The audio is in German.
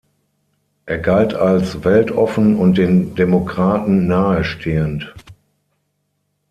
Er galt als weltoffen und den Demokraten nahestehend.